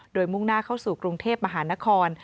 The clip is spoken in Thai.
โดยมุ่งหน้าเข้าสู่กรุงเทพมหานคร